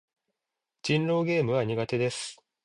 人狼ゲームは苦手です。